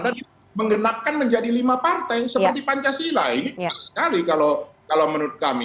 dan menggenapkan menjadi lima partai seperti pancasila ini pas sekali kalau menurut kami